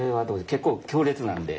結構強烈なんで。